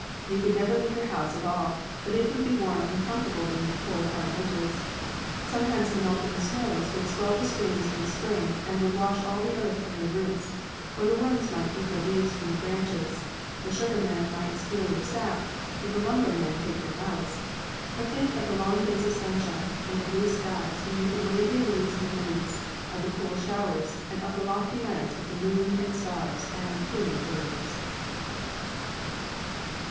You could never leave your house at all, but it would be warm and comfortable during the cold, hard winters. Sometimes the melting snows would swell the streams in the spring and would wash all the earth from your roots; or the worms might eat the leaves from your branches; the sugar man might steal your sap ; or the lumber man take your house. But think of the long days of sunshine, under blue skies, when you could wave your leaves in the breeze ; of the cool showers, and of the lovely nights with the moon and stars and crooning birds.